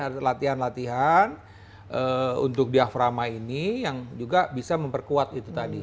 ada latihan latihan untuk diaframa ini yang juga bisa memperkuat itu tadi